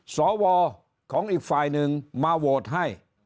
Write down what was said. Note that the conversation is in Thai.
สวของอีกฝ่ายหนึ่งมาโหวตให้